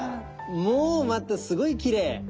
もうまたすごいきれい。